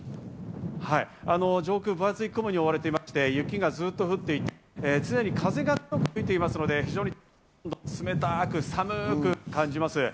上空、分厚い雲に覆われてまして、雪がずっと降っていて、風が強く吹いていますので、冷たく寒く感じます。